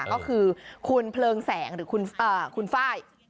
ก็คือคุณเพลิงแสงหรือคุณไฟล์